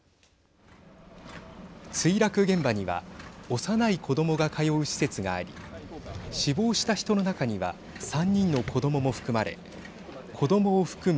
墜落現場には幼い子どもが通う施設があり死亡した人の中には３人の子どもも含まれ子どもを含む